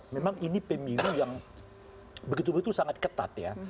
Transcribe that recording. memang ini pemilu yang begitu begitu sangat ketat ya